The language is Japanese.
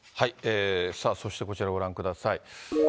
さあ、そしてこちらご覧ください。